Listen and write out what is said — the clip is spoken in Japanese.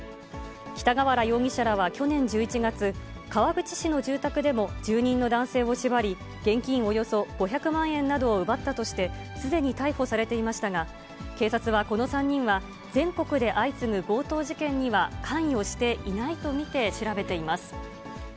北河原容疑者らは去年１１月、川口市の住宅でも、住人の男性を縛り、現金およそ５００万円などを奪ったとして、すでに逮捕されていましたが、警察はこの３人は全国で相次ぐ強盗事件には関与していないと見て調べています。